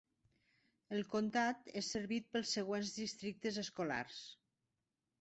El comtat és servit pels següents districtes escolars.